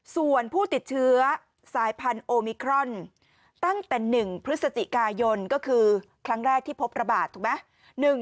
ส่วนผู้ติดเชื้อสายพันธุ์โอมิครอนตั้งแต่๑พฤศจิกายนก็คือครั้งแรกที่พบระบาดถูกไหม